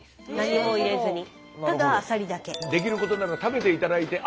できることなら食べて頂いてあ